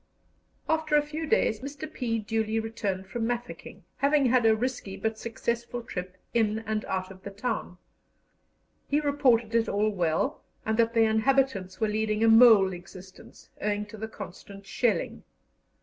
After a few days Mr. P. duly returned from Mafeking, having had a risky but successful trip in and out of the town. He reported it all well, and that the inhabitants were leading a mole existence, owing to the constant shelling.